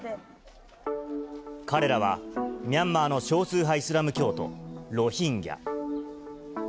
彼らは、ミャンマーの少数派イスラム教徒、ロヒンギャ。